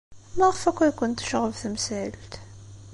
Maɣef akk ay kent-tecɣeb temsalt?